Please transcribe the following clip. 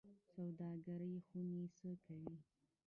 سوداګرۍ خونې څه کوي؟